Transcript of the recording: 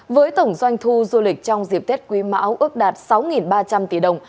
với tổng doanh thu du lịch trong dịp tết quý mão ước đạt sáu ba trăm linh tỷ đồng